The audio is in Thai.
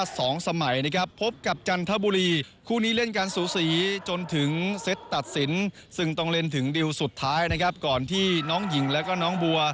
ที่ประสานงานกันอย่างยอดเยี่ยมเอาชนะปลาย๓